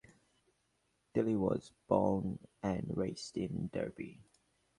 Tilley was born and raised in Derby.